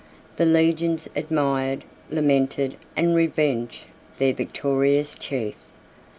The legions admired, lamented, and revenged their victorious chief.